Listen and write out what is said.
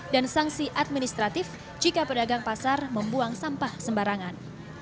dan sanksi administratif jika pedagang pasar membuang sampah sembarangan